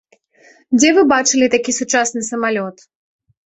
Дзе вы бачылі такі сучасны самалёт?